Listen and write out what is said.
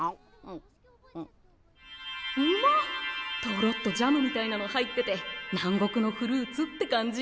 トロッとジャムみたいなの入ってて南国のフルーツって感じ。